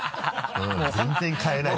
全然代えないし。